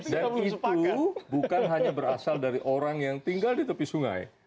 dan itu bukan hanya berasal dari orang yang tinggal di tepi sungai